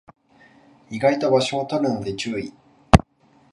意外と場所を取るので注意